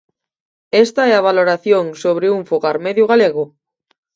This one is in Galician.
Esta é a valoración sobre un fogar medio galego.